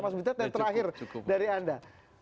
mas butet yang terakhir dari anda